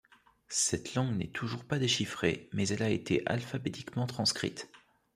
Cette langue n'est toujours pas déchiffrer, mais elle a été alphabétiquement transcrite.